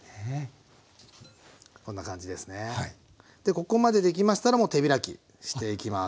ここまでできましたらもう手開きしていきます。